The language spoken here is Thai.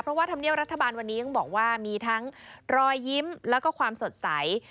เพราะว่าธรรมเนียบรัฐบาลวันนี้ต้องบอกว่ามีทั้งรอยยิ้มแล้วก็ความสดใส